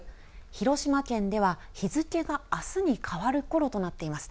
広島県では、日付があすに変わるころとなっています。